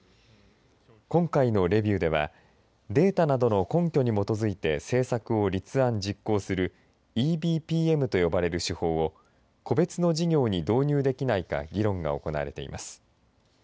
今回のレビューではデータなどの根拠に基づいて政策を立案、実行するＥＢＰＭと呼ばれる手法を個別の事業に導入できないか議論が行われています。